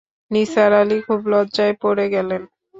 নিসার আলি খুব লজ্জায় পড়ে গেলেন।